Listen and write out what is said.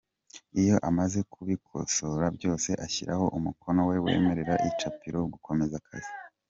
Iyo amaze kubikosora byose ashyiraho umukono we wemerera icapiro gukomeza akazi.